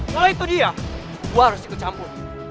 kalau itu dia gue harus ikut campur